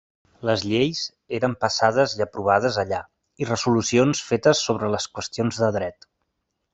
Les lleis eren passades i aprovades allà, i resolucions fetes sobre les qüestions de dret.